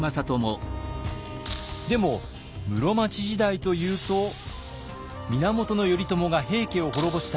でも室町時代というと源頼朝が平家を滅ぼした